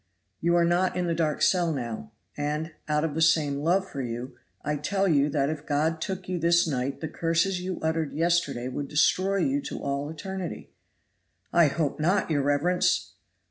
You are not in the dark cell now, and, out of the same love for you, I tell you that if God took you this night the curses you uttered yesterday would destroy you to all eternity." "I hope not, your reverence!"